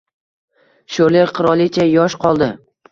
Sho‘rlik qirolicha! Yosh qoldi